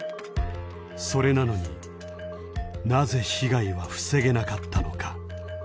それなのになぜ被害は防げなかったのか？